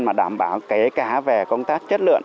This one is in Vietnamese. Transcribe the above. mà đảm bảo kể cả về công tác chất lượng